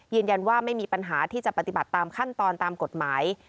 ยืนยันว่าไม่มีปัญหาที่จะปฏิบัติตามขั้นตอนตามกฎหมาย